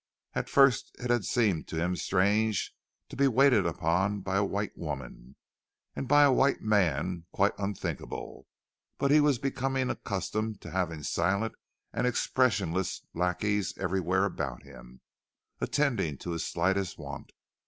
At first it had seemed to him strange to be waited upon by a white woman, and by a white man quite unthinkable; but he was becoming accustomed to having silent and expressionless lackeys everywhere about him, attending to his slightest want.